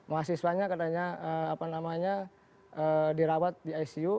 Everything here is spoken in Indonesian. mahasiswanya katanya apa namanya dirawat di icu